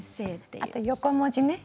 あと横文字ね